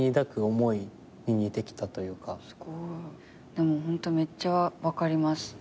でもホントめっちゃ分かります。